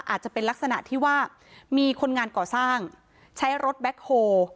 อาจจะเป็นลักษณะที่ว่ามีคนงานก่อสร้างใช้รถแบ็คโฮ